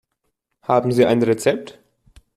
Haben Sie ein Rezept?